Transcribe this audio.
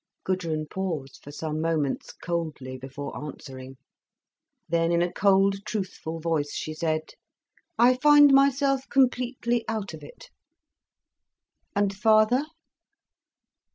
Gudrun paused for some moments, coldly, before answering. Then, in a cold truthful voice, she said: "I find myself completely out of it." "And father?"